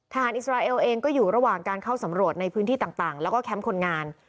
อิสราเอลเองก็อยู่ระหว่างการเข้าสำรวจในพื้นที่ต่างแล้วก็แคมป์คนงาน